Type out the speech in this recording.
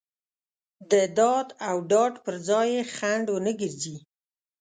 د داد او ډاډ پر ځای یې خنډ ونه ګرځي.